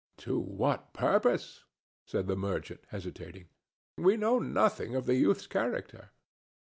"To what purpose?" said the merchant, hesitating. "We know nothing of the youth's character."